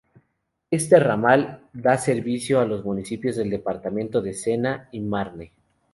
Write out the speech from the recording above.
Este ramal da servicio a los municipios del departamento de Sena y Marne.